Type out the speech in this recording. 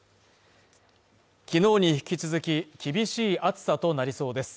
昨日に引き続き厳しい暑さとなりそうです。